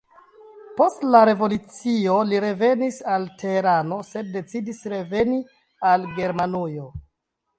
Post la revolucio li revenis al Teherano sed decidis reveni al Germanujo.